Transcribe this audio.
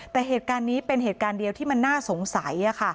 แต่เหตุการณ์นี้เป็นเหตุการณ์เดียวที่มันน่าสงสัย